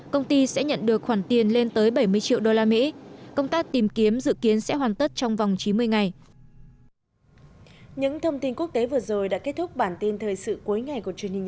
công ty sẽ nhận được khoản tiền lên tới bảy mươi triệu đô la mỹ công tác tìm kiếm dự kiến sẽ hoàn tất trong vòng chín mươi ngày